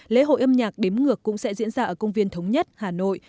lễ hội âm nhạc đếm ngược cũng sẽ diễn ra ở công viên thống nhất hà nội